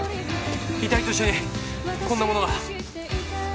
遺体と一緒にこんなものが。